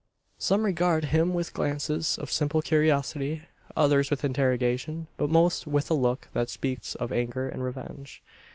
Some regard him with glances of simple curiosity; others with interrogation; but most with a look that speaks of anger and revenge.